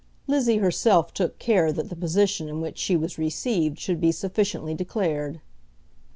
Lizzie herself took care that the position in which she was received should be sufficiently declared.